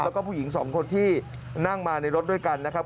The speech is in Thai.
แล้วก็ผู้หญิงสองคนที่นั่งมาในรถด้วยกันนะครับ